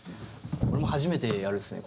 俺も初めてやるっすね